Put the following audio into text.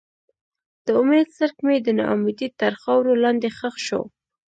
د امید څرک مې د ناامیدۍ تر خاورو لاندې ښخ شو.